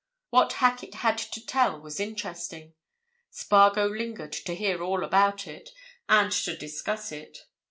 What Hacket had to tell was interesting: Spargo lingered to hear all about it, and to discuss it.